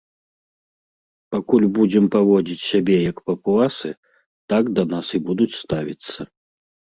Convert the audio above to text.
Пакуль будзем паводзіць сябе як папуасы, так да нас і будуць ставіцца.